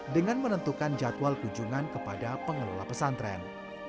dengan menentukan jadwal kunjungan kepada pengelola pesantren